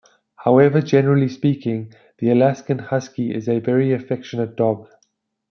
However, generally speaking, the Alaskan Husky is a very affectionate dog.